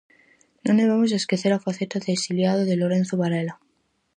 Non debemos de esquecer a faceta de exiliado de Lorenzo Varela.